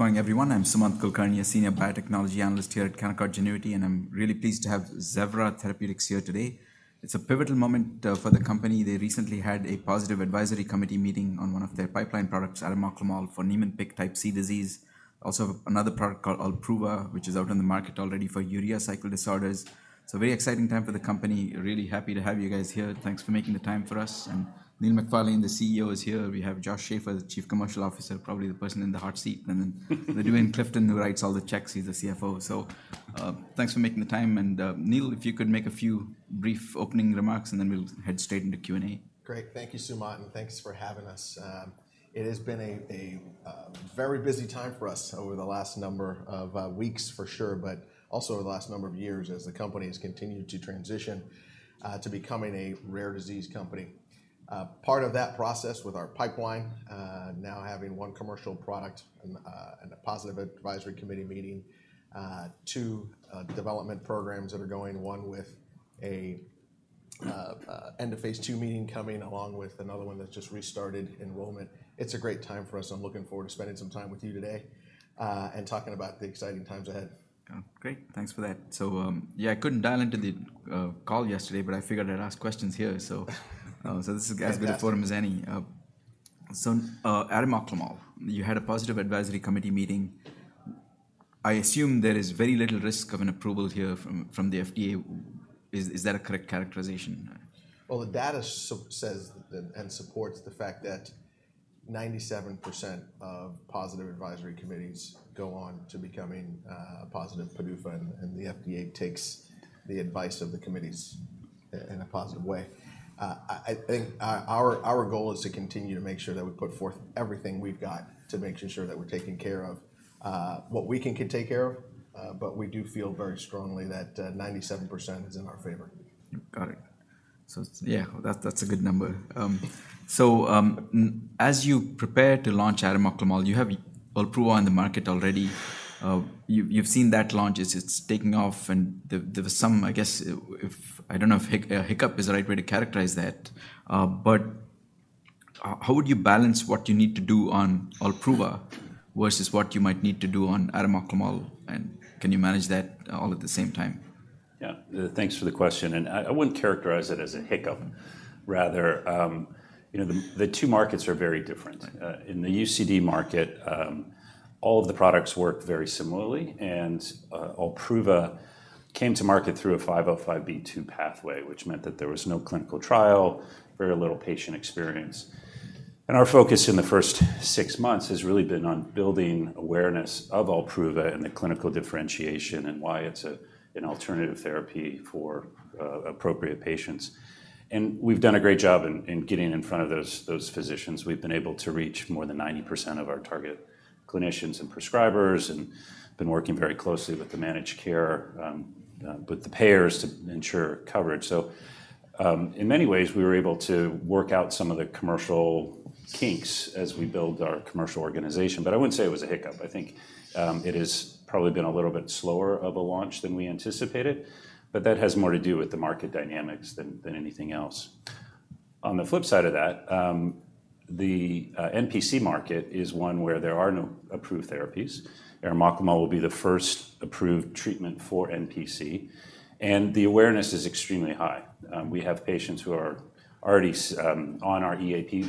Good morning, everyone. I'm Sumant Kulkarni, a Senior Biotechnology Analyst here at Canaccord Genuity, and I'm really pleased to have Zevra Therapeutics here today. It's a pivotal moment for the company. They recently had a positive advisory committee meeting on one of their pipeline products, arimoclomol, for Niemann-Pick disease type C. Also, another product called OLPRUVA, which is out on the market already for urea cycle disorders. It's a very exciting time for the company. Really happy to have you guys here. Thanks for making the time for us, and Neil McFarlane, the CEO, is here. We have Josh Schafer, the Chief Commercial Officer, probably the person in the hot seat, and then LaDuane Clifton, who writes all the checks. He's the CFO. So, thanks for making the time, and, Neil, if you could make a few brief opening remarks, and then we'll head straight into Q&A. Great. Thank you, Sumant, and thanks for having us. It has been a very busy time for us over the last number of weeks, for sure, but also over the last number of years as the company has continued to transition to becoming a rare disease company. Part of that process with our pipeline now having one commercial product and a positive Advisory Committee meeting, two development programs that are going, one with an end-of-Phase 2 meeting coming, along with another one that's just restarted enrollment. It's a great time for us. I'm looking forward to spending some time with you today and talking about the exciting times ahead. Oh, great. Thanks for that. So, yeah, I couldn't dial into the call yesterday, but I figured I'd ask questions here. So, this is as good a forum as any. Arimoclomol, you had a positive Advisory Committee meeting. I assume there is very little risk of an approval here from the FDA. Is that a correct characterization? Well, the data so says that, and supports the fact that 97% of positive advisory committees go on to becoming positive PDUFA, and, and the FDA takes the advice of the committees in a positive way. I think our goal is to continue to make sure that we put forth everything we've got to making sure that we're taking care of what we can take care of, but we do feel very strongly that 97% is in our favor. Got it. So, yeah, that's a good number. So, as you prepare to launch arimoclomol, you have OLPRUVA on the market already. You've seen that launch. It's taking off, and there was some, I guess, I don't know if a hiccup is the right way to characterize that, but, how would you balance what you need to do on OLPRUVA versus what you might need to do on arimoclomol, and can you manage that all at the same time? Yeah. Thanks for the question, and I wouldn't characterize it as a hiccup. Rather, you know, the two markets are very different. Right. In the UCD market, all of the products work very similarly, and OLPRUVA came to market through a 505(b)(2) pathway, which meant that there was no clinical trial, very little patient experience. And our focus in the first six months has really been on building awareness of OLPRUVA and the clinical differentiation and why it's an alternative therapy for appropriate patients. And we've done a great job in getting in front of those physicians. We've been able to reach more than 90% of our target clinicians and prescribers and been working very closely with the managed care with the payers to ensure coverage. So, in many ways, we were able to work out some of the commercial kinks as we build our commercial organization, but I wouldn't say it was a hiccup. I think, it has probably been a little bit slower of a launch than we anticipated, but that has more to do with the market dynamics than anything else. On the flip side of that, the NPC market is one where there are no approved therapies. Arimoclomol will be the first approved treatment for NPC, and the awareness is extremely high. We have patients who are already on our EAP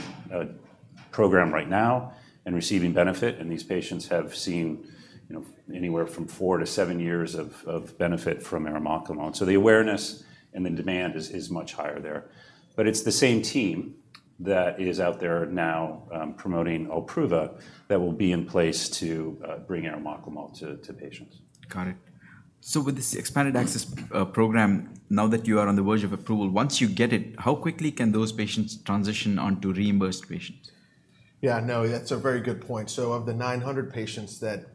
program right now and receiving benefit, and these patients have seen, you know, anywhere from four to seven years of benefit from arimoclomol. So the awareness and the demand is much higher there. But it's the same team that is out there now promoting OLPRUVA, that will be in place to bring arimoclomol to patients. Got it. So with this expanded access program, now that you are on the verge of approval, once you get it, how quickly can those patients transition on to reimbursed patients? Yeah, no, that's a very good point. So of the 900 patients that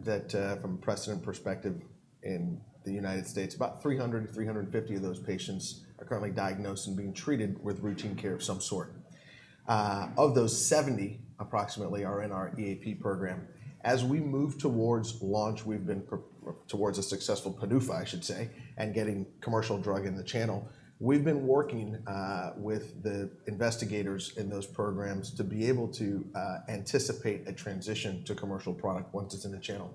from prevalence perspective in the United States, about 300-350 of those patients are currently diagnosed and being treated with routine care of some sort. Of those, approximately 70 are in our EAP program. As we move towards launch, we've been towards a successful PDUFA, I should say, and getting commercial drug in the channel, we've been working with the investigators in those programs to be able to anticipate a transition to commercial product once it's in the channel.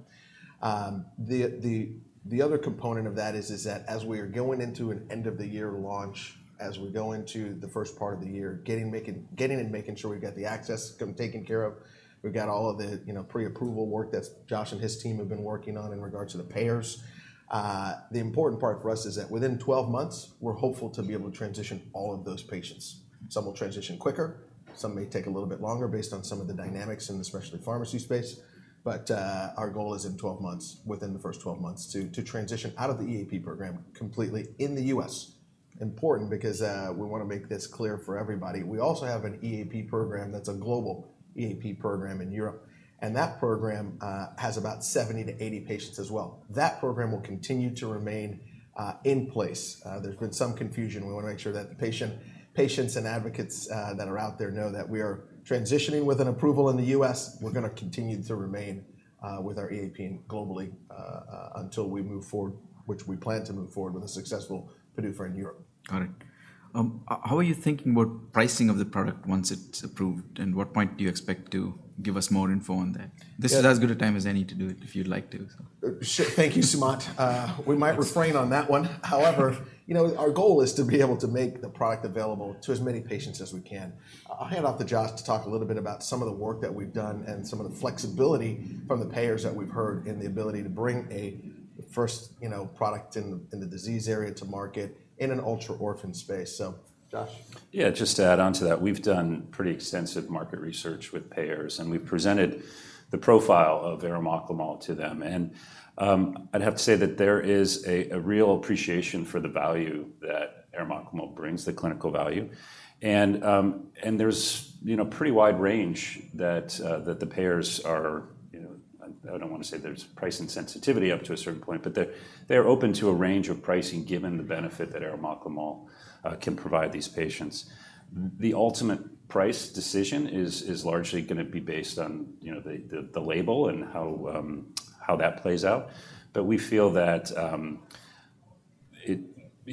The other component of that is that as we are going into an end-of-the-year launch, as we go into the first part of the year, getting and making sure we've got the access taken care of, we've got all of the, you know, pre-approval work that Josh and his team have been working on in regards to the payers. The important part for us is that within 12 months, we're hopeful to be able to transition all of those patients. Some will transition quicker, some may take a little bit longer based on some of the dynamics in the specialty pharmacy space, but our goal is in 12 months, within the first 12 months, to transition out of the EAP program completely in the U.S.. Important because we wanna make this clear for everybody. We also have an EAP program that's a global EAP program in Europe, and that program has about 70-80 patients as well. That program will continue to remain in place. There's been some confusion. We wanna make sure that the patient, patients and advocates that are out there know that we are transitioning with an approval in the U.S. We're gonna continue to remain with our EAP globally until we move forward, which we plan to move forward with a successful PDUFA in Europe. Got it. How are you thinking about pricing of the product once it's approved, and what point do you expect to give us more info on that? Yeah- This is as good a time as any to do it, if you'd like to. Sure. Thank you, Sumant. We might refrain on that one. However, you know, our goal is to be able to make the product available to as many patients as we can. I'll hand off to Josh to talk a little bit about some of the work that we've done and some of the flexibility from the payers that we've heard in the ability to bring a first, you know, product in, in the disease area to market in an ultra-orphan space. So, Josh? Yeah, just to add on to that, we've done pretty extensive market research with payers, and we've presented the profile of arimoclomol to them. And I'd have to say that there is a real appreciation for the value that arimoclomol brings, the clinical value. And there's, you know, pretty wide range that the payers are, you know... I don't want to say there's price insensitivity up to a certain point, but they're open to a range of pricing, given the benefit that arimoclomol can provide these patients. The ultimate price decision is largely gonna be based on, you know, the label and how that plays out. But we feel that, you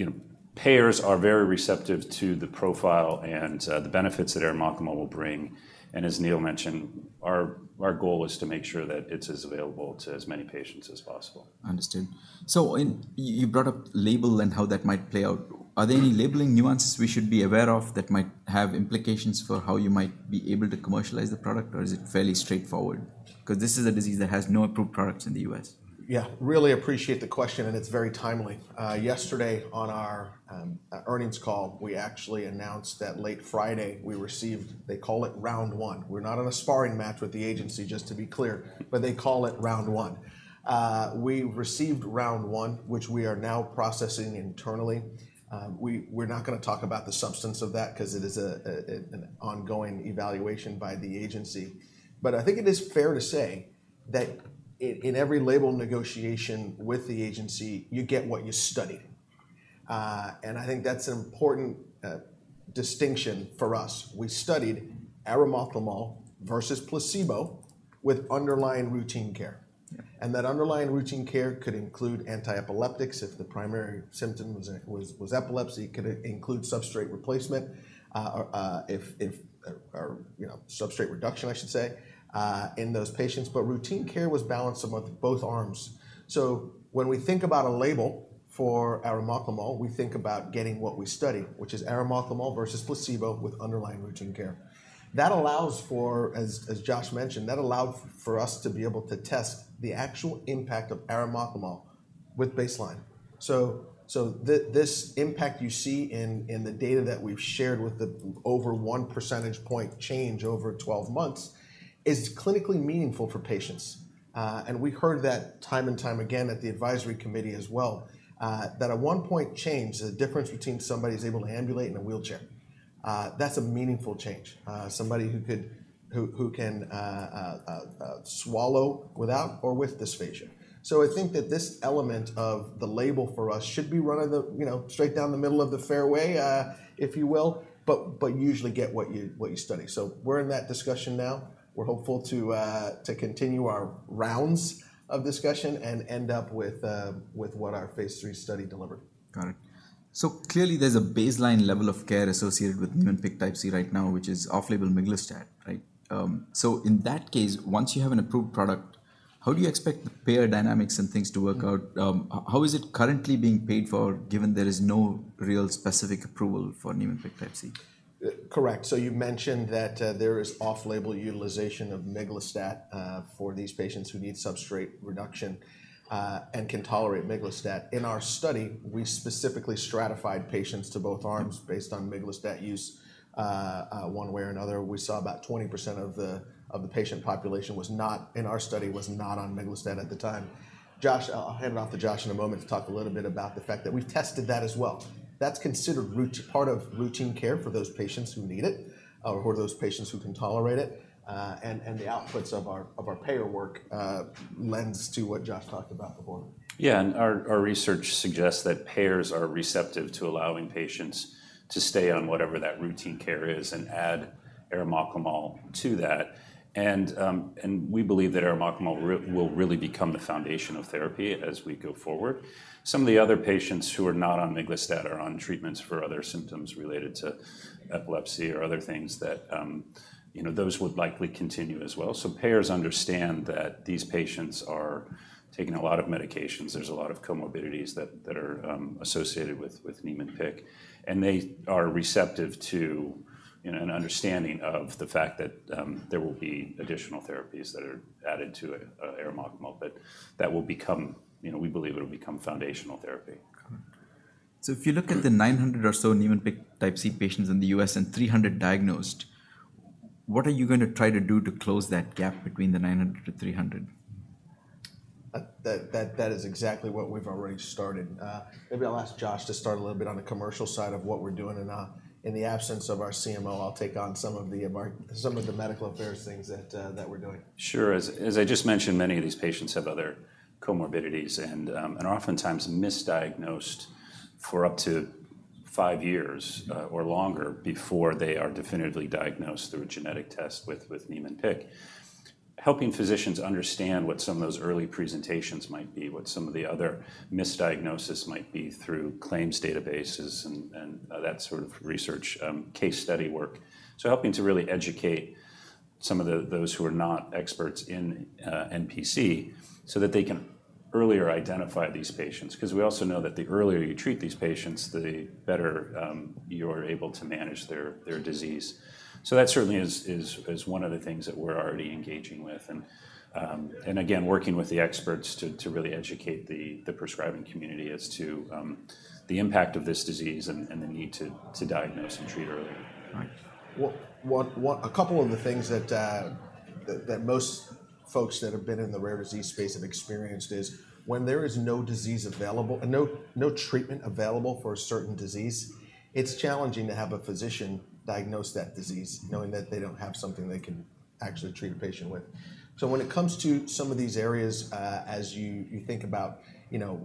know, payers are very receptive to the profile and the benefits that arimoclomol will bring. As Neil mentioned, our goal is to make sure that it's as available to as many patients as possible. Understood. So you brought up label and how that might play out. Are there any labeling nuances we should be aware of that might have implications for how you might be able to commercialize the product, or is it fairly straightforward? Because this is a disease that has no approved products in the U.S.. Yeah. Really appreciate the question, and it's very timely. Yesterday, on our earnings call, we actually announced that late Friday, we received... They call it round one. We're not in a sparring match with the agency, just to be clear, but they call it round one. We received round one, which we are now processing internally. We're not gonna talk about the substance of that 'cause it is an ongoing evaluation by the agency. But I think it is fair to say that in every label negotiation with the agency, you get what you studied. And I think that's an important distinction for us. We studied arimoclomol vs placebo with underlying routine care. Yeah. That underlying routine care could include antiepileptics if the primary symptom was epilepsy, it could include substrate replacement, if you know, substrate reduction, I should say, in those patients. But routine care was balanced among both arms. So when we think about a label for arimoclomol, we think about getting what we studied, which is arimoclomol versus placebo with underlying routine care. That allows for, as Josh mentioned, that allowed for us to be able to test the actual impact of arimoclomol with baseline. So this impact you see in the data that we've shared with the over 1% point change over 12 months is clinically meaningful for patients. And we heard that time and time again at the advisory committee as well, that a one-point change, the difference between somebody who's able to ambulate in a wheelchair, that's a meaningful change. Somebody who can swallow without or with dysphagia. So I think that this element of the label for us should be running the, you know, straight down the middle of the fairway, if you will, but you usually get what you study. So we're in that discussion now. We're hopeful to continue our rounds of discussion and end up with what our Phase 3 study delivered. Got it. So clearly, there's a baseline level of care associated with- Mm-hmm... Niemann-Pick type C right now, which is off-label miglustat, right? So in that case, once you have an approved product, how do you expect the payer dynamics and things to work out? How is it currently being paid for, given there is no real specific approval for Niemann-Pick type C? Correct. So you mentioned that there is off-label utilization of miglustat for these patients who need substrate reduction and can tolerate miglustat. In our study, we specifically stratified patients to both arms based on miglustat use, one way or another. We saw about 20% of the patient population, in our study, was not on miglustat at the time. Josh, I'll hand off to Josh in a moment to talk a little bit about the fact that we've tested that as well. That's considered part of routine care for those patients who need it, or those patients who can tolerate it. And the outputs of our payer work lends to what Josh talked about before. Yeah, and our research suggests that payers are receptive to allowing patients to stay on whatever that routine care is and add arimoclomol to that. And we believe that arimoclomol will really become the foundation of therapy as we go forward. Some of the other patients who are not on miglustat are on treatments for other symptoms related to epilepsy or other things that, you know, those would likely continue as well. So payers understand that these patients are taking a lot of medications. There's a lot of comorbidities that are associated with Niemann-Pick, and they are receptive to, you know, an understanding of the fact that there will be additional therapies that are added to arimoclomol, but that will become... You know, we believe it'll become foundational therapy. Got it. So if you look at the 900 or so Niemann-Pick type C patients in the U.S. and 300 diagnosed, what are you gonna try to do to close that gap between the 900 to 300? That is exactly what we've already started. Maybe I'll ask Josh to start a little bit on the commercial side of what we're doing, and in the absence of our CMO, I'll take on some of the medical affairs things that we're doing. Sure. As I just mentioned, many of these patients have other comorbidities and are oftentimes misdiagnosed for up to-... five years or longer before they are definitively diagnosed through a genetic test with Niemann-Pick. Helping physicians understand what some of those early presentations might be, what some of the other misdiagnosis might be through claims databases and that sort of research, case study work. So helping to really educate some of the, those who are not experts in NPC, so that they can earlier identify these patients, because we also know that the earlier you treat these patients, the better you're able to manage their disease. So that certainly is one of the things that we're already engaging with, and again, working with the experts to really educate the prescribing community as to the impact of this disease and the need to diagnose and treat early. Right. Well, a couple of the things that most folks that have been in the rare disease space have experienced is when there is no treatment available for a certain disease, it's challenging to have a physician diagnose that disease, knowing that they don't have something they can actually treat a patient with. So when it comes to some of these areas, as you think about, you know,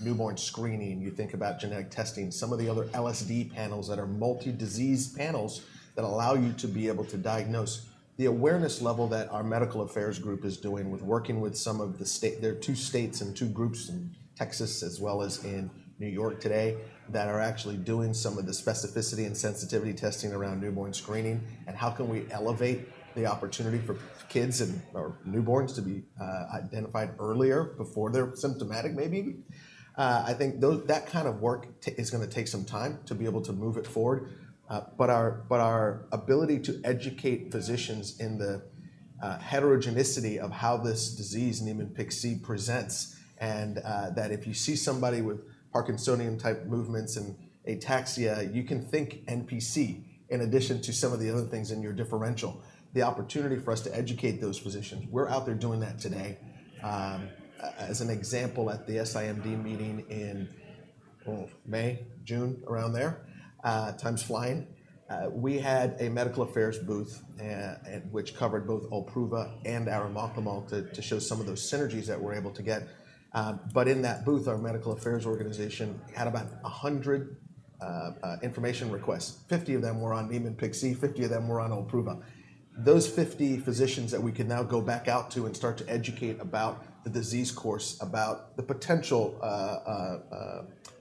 newborn screening, you think about genetic testing, some of the other LSD panels that are multi-disease panels that allow you to be able to diagnose. The awareness level that our medical affairs group is doing with working with some of the states. There are two states and two groups in Texas, as well as in New York today, that are actually doing some of the specificity and sensitivity testing around newborn screening, and how can we elevate the opportunity for kids or newborns to be identified earlier before they're symptomatic, maybe? I think that kind of work is gonna take some time to be able to move it forward. But our, but our ability to educate physicians in the heterogeneity of how this disease, Niemann-Pick C, presents, and that if you see somebody with Parkinsonian-type movements and ataxia, you can think NPC, in addition to some of the other things in your differential. The opportunity for us to educate those physicians, we're out there doing that today. As an example, at the SIMD meeting in May, June, around there, time's flying, we had a medical affairs booth which covered both OLPRUVA and our arimoclomol too, to show some of those synergies that we're able to get. But in that booth, our medical affairs organization had about 100 information requests. 50 of them were on Niemann-Pick C, 50 of them were on OLPRUVA. Those 50 physicians that we can now go back out to and start to educate about the disease course, about the potential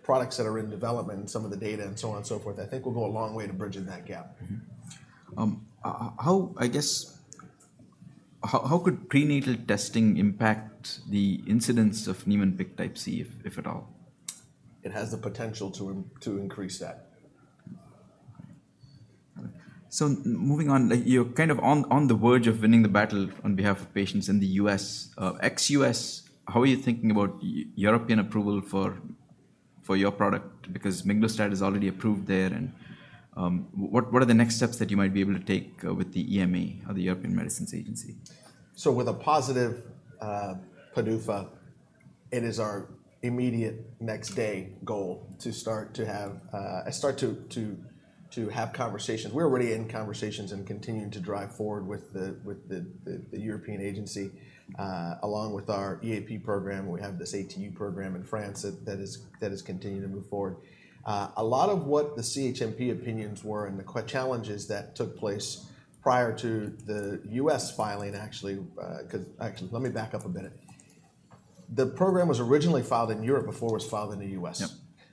products that are in development and some of the data, and so on and so forth, I think will go a long way to bridging that gap. Mm-hmm. I guess, how could prenatal testing impact the incidence of Niemann-Pick type C, if at all? It has the potential to increase that. So moving on, like you're kind of on the verge of winning the battle on behalf of patients in the U.S. Ex-U.S., how are you thinking about European approval for your product? Because miglustat is already approved there, and what are the next steps that you might be able to take with the EMA or the European Medicines Agency? So with a positive PDUFA, it is our immediate next-day goal to have conversations. We're already in conversations and continuing to drive forward with the European Agency along with our EAP program. We have this ATU program in France that is continuing to move forward. A lot of what the CHMP opinions were and the challenges that took place prior to the U.S. filing, actually. Actually, let me back up a bit. The program was originally filed in Europe before it was filed in the U.S. Yep.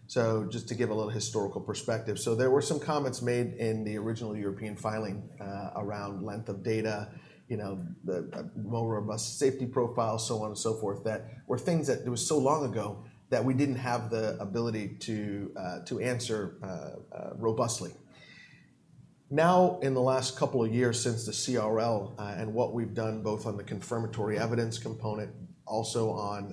So just to give a little historical perspective. So there were some comments made in the original European filing, around length of data, you know, the more robust safety profile, so on and so forth, that were things that it was so long ago that we didn't have the ability to, to answer, robustly. Now, in the last couple of years since the CRL, and what we've done both on the confirmatory evidence component, also on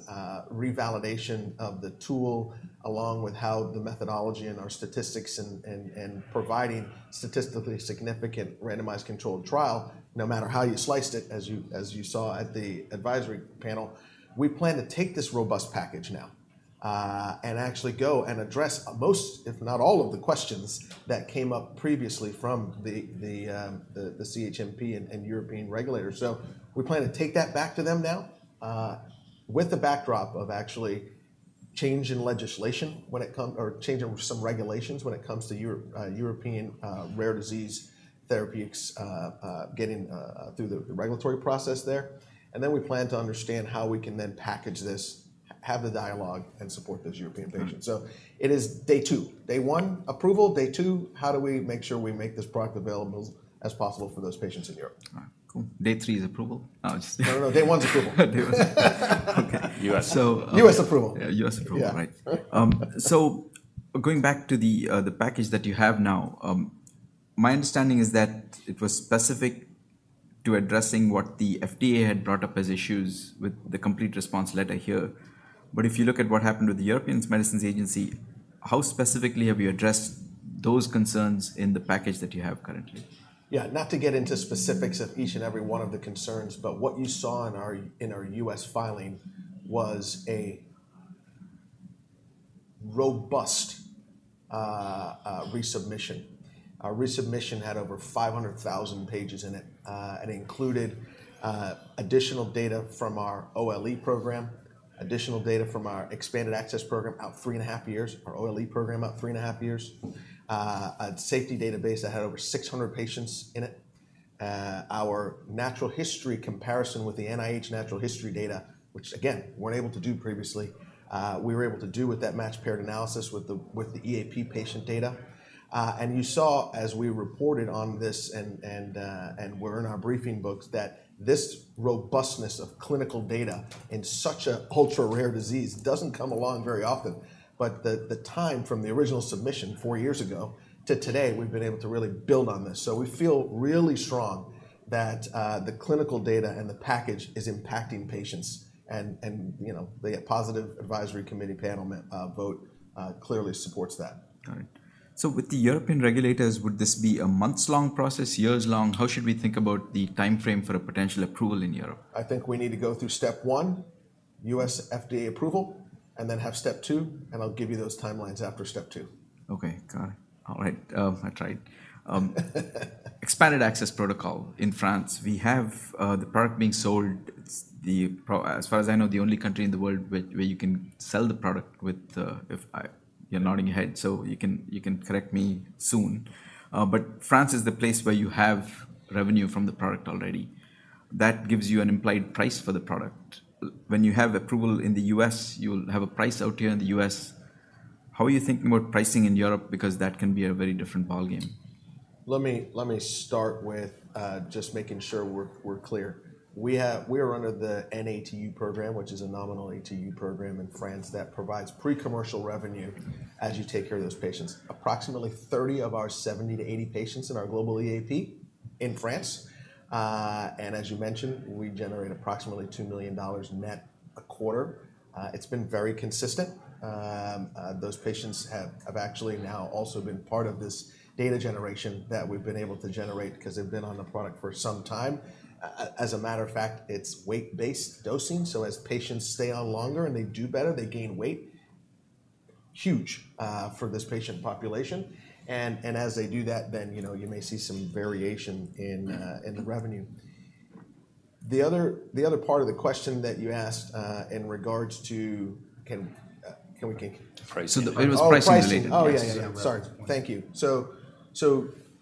revalidation of the tool, along with how the methodology and our statistics and providing statistically significant randomized controlled trial, no matter how you sliced it, as you saw at the advisory panel, we plan to take this robust package now, and actually go and address most, if not all, of the questions that came up previously from the CHMP and European regulators. So we plan to take that back to them now, with the backdrop of actually change in legislation or change in some regulations when it comes to European rare disease therapeutics, getting through the regulatory process there. And then we plan to understand how we can then package this, have the dialogue, and support those European patients. So it is day two. Day one, approval; day two, how do we make sure we make this product available as possible for those patients in Europe? All right, cool. Day three is approval? No, no, day one is approval. Day one. Okay. U.S. So US approval. Yeah, U.S. approval. Yeah. Right. So going back to the, the package that you have now, my understanding is that it was specific to addressing what the FDA had brought up as issues with the Complete Response Letter here. But if you look at what happened with the European Medicines Agency, how specifically have you addressed those concerns in the package that you have currently? Yeah, not to get into specifics of each and every one of the concerns, but what you saw in our U.S. filing was a robust resubmission. Our resubmission had over 500,000 pages in it, and included additional data from our OLE program, additional data from our expanded access program, about three and a half years, our OLE program, about three and a half years. A safety database that had over 600 patients in it. Our natural history comparison with the NIH natural history data, which again we weren't able to do previously, we were able to do with that matched paired analysis with the EAP patient data. You saw as we reported on this and were in our briefing books, that this robustness of clinical data in such an ultra-rare disease doesn't come along very often. But the time from the original submission four years ago to today, we've been able to really build on this. So we feel really strong that the clinical data and the package is impacting patients and, you know, the positive Advisory Committee panel vote clearly supports that. Got it. So with the European regulators, would this be a months-long process, years long? How should we think about the time frame for a potential approval in Europe? I think we need to go through step one, U.S. FDA approval, and then have step two, and I'll give you those timelines after step two. Okay, got it. All right. Expanded access protocol in France, we have the product being sold. It's as far as I know, the only country in the world where you can sell the product with the... You're nodding your head, so you can correct me soon. But France is the place where you have revenue from the product already. That gives you an implied price for the product. When you have approval in the U.S., you'll have a price out here in the U.S. How are you thinking about pricing in Europe? Because that can be a very different ballgame. Let me start with just making sure we're clear. We have. We are under the NATU program, which is a nominative ATU program in France that provides pre-commercial revenue as you take care of those patients. Approximately 30 of our 70-80 patients in our global EAP in France, and as you mentioned, we generate approximately $2 million net a quarter. It's been very consistent. Those patients have actually now also been part of this data generation that we've been able to generate because they've been on the product for some time. As a matter of fact, it's weight-based dosing, so as patients stay on longer and they do better, they gain weight. Huge for this patient population, and as they do that, then you know you may see some variation in the revenue. The other part of the question that you asked in regards to... Can we- Price. So it was pricing related. Oh, pricing. Oh, yeah, yeah, yeah. Right. Sorry. Thank you. So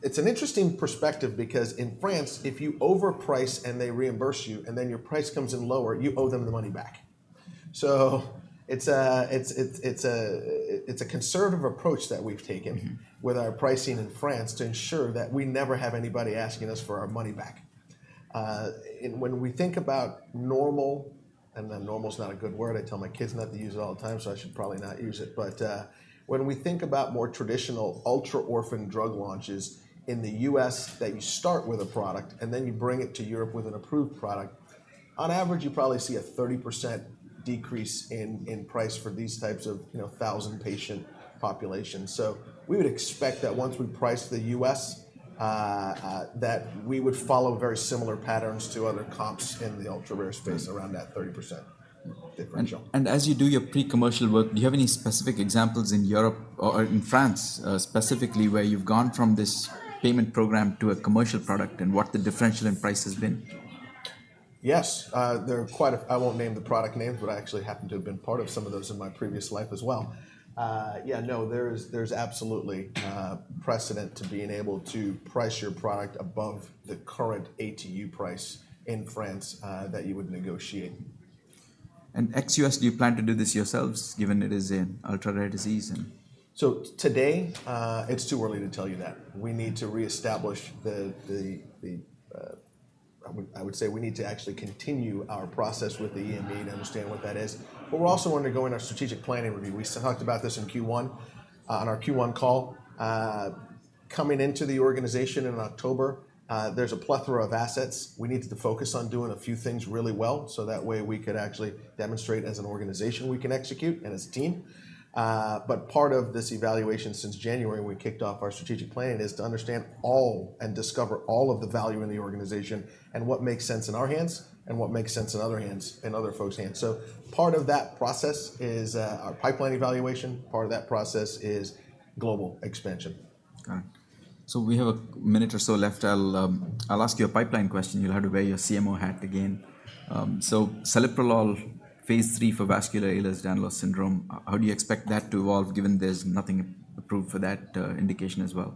it's an interesting perspective because in France, if you overprice and they reimburse you, and then your price comes in lower, you owe them the money back. So it's a conservative approach that we've taken- Mm-hmm. With our pricing in France to ensure that we never have anybody asking us for our money back. And when we think about normal, and then normal's not a good word, I tell my kids not to use it all the time, so I should probably not use it. But, when we think about more traditional ultra-orphan drug launches in the U.S., that you start with a product, and then you bring it to Europe with an approved product, on average, you probably see a 30% decrease in price for these types of, you know, thousand-patient populations. So we would expect that once we price the U.S., that we would follow very similar patterns to other comps in the ultra-rare space around that 30% differential. As you do your pre-commercial work, do you have any specific examples in Europe or in France specifically, where you've gone from this payment program to a commercial product and what the differential in price has been? Yes, there are. I won't name the product names, but I actually happen to have been part of some of those in my previous life as well. Yeah, no, there is, there's absolutely precedent to being able to price your product above the current ATU price in France, that you would negotiate. Ex-U.S., do you plan to do this yourselves, given it is an ultra-rare disease and- So today, it's too early to tell you that. We need to reestablish the, I would say we need to actually continue our process with the EMA to understand what that is. But we're also undergoing our strategic planning review. We talked about this in Q1, on our Q1 call. Coming into the organization in October, there's a plethora of assets. We needed to focus on doing a few things really well, so that way, we could actually demonstrate as an organization we can execute and as a team. But part of this evaluation since January, when we kicked off our strategic planning, is to understand all and discover all of the value in the organization and what makes sense in our hands and what makes sense in other hands, in other folks' hands. Part of that process is our pipeline evaluation. Part of that process is global expansion. Got it. So we have a minute or so left. I'll ask you a pipeline question. You'll have to wear your CMO hat again. So celiprolol Phase 3 for vascular Ehlers-Danlos syndrome, how do you expect that to evolve, given there's nothing approved for that indication as well?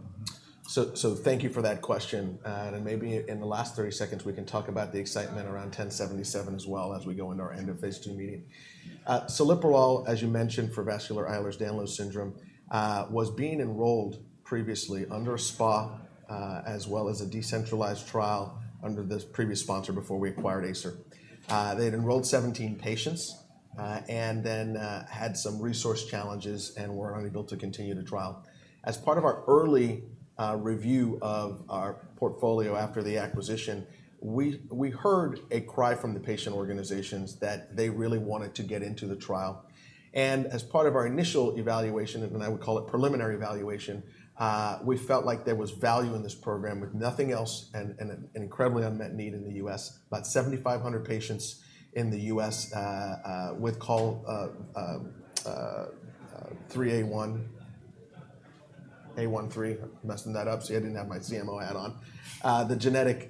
So, thank you for that question. And maybe in the last 30 seconds, we can talk about the excitement around 1077 as well as we go into our end-of-Phase 2 meeting. Celiprolol, as you mentioned, for vascular Ehlers-Danlos syndrome, was being enrolled previously under a SPA, as well as a decentralized trial under the previous sponsor before we acquired Acer. They had enrolled 17 patients, and then had some resource challenges and were unable to continue the trial. As part of our early review of our portfolio after the acquisition, we heard a cry from the patient organizations that they really wanted to get into the trial. And as part of our initial evaluation, and I would call it preliminary evaluation, we felt like there was value in this program with nothing else and an incredibly unmet need in the U.S. About 7,500 patients in the U.S., with COL3A1. I'm messing that up. See, I didn't have my CMO hat on. The genetic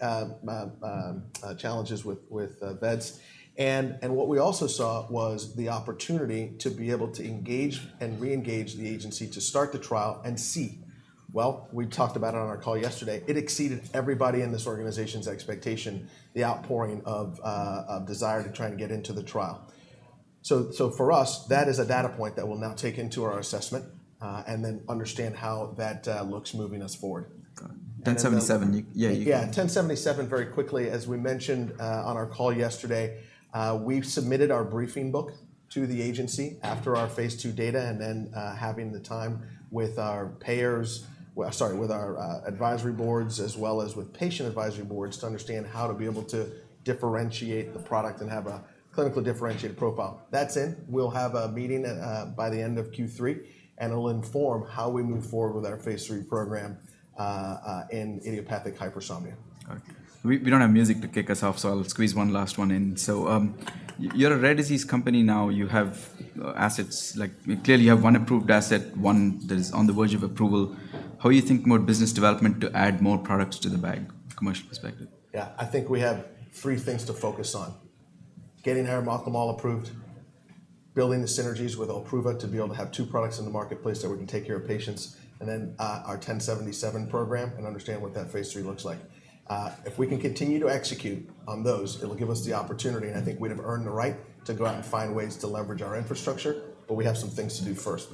challenges with VEDS. And what we also saw was the opportunity to be able to engage and reengage the agency to start the trial and see. Well, we talked about it on our call yesterday. It exceeded everybody in this organization's expectation, the outpouring of desire to try and get into the trial. So, for us, that is a data point that we'll now take into our assessment, and then understand how that looks moving us forward. Got it. 1077, yeah, you- Yeah, 1077, very quickly, as we mentioned, on our call yesterday, we've submitted our briefing book to the agency after our Phase 2 data and then, having the time with our advisory boards as well as with patient advisory boards, to understand how to be able to differentiate the product and have a clinical differentiated profile. That's it. We'll have a meeting, by the end of Q3, and it'll inform how we move forward with our Phase 3 program, in idiopathic hypersomnia. Got it. We don't have music to kick us off, so I'll squeeze one last one in. So, you're a rare disease company now. You have assets. Like, clearly, you have one approved asset, one that is on the verge of approval. How are you thinking about business development to add more products to the bag from a commercial perspective? Yeah, I think we have three things to focus on: getting arimoclomol approved, building the synergies with OLPRUVA to be able to have two products in the marketplace so we can take care of patients, and then our 1077 program and understand what that Phase 3 looks like. If we can continue to execute on those, it'll give us the opportunity, and I think we'd have earned the right to go out and find ways to leverage our infrastructure, but we have some things to do first.